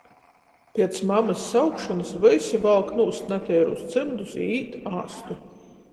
Piec mamys saukšonys vysi valk nūst nateirūs cymdus i īt āstu.